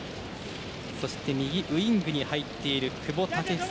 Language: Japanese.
そして、右ウィングに入っている久保建英。